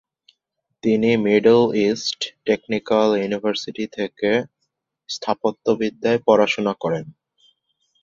তিনি Middle East Technical University থেকে স্থাপত্য বিদ্যায় পড়াশুনা করেন।